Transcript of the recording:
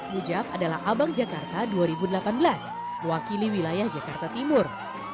mujab adalah abang jakarta dua ribu delapan belas mewakili wilayah jakarta timur